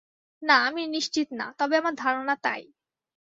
না, আমি নিশ্চিত না, তবে আমার ধারণা তাই।